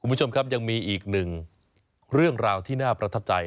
คุณผู้ชมครับยังมีอีกหนึ่งเรื่องราวที่น่าประทับใจ